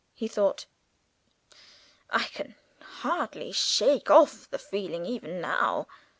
he thought. "I can hardly shake off the feeling even now."